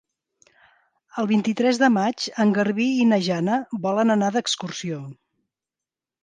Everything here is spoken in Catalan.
El vint-i-tres de maig en Garbí i na Jana volen anar d'excursió.